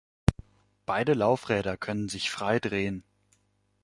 Beide Laufräder können sich frei drehen.